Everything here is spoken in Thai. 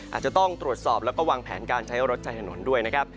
อาจจะต้องตรวจสอบแล้วก็วางแผนการใช้รถใช้ถนนด้วยนะครับ